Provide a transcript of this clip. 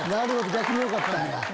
逆によかったんや。